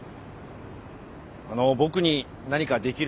あの僕に何かできることが。